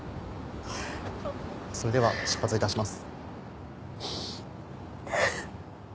それでは出発致します。